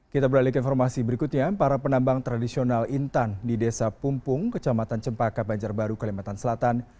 kita beralih ke informasi berikutnya para penambang tradisional intan di desa pumpung kecamatan cempaka banjarbaru kalimantan selatan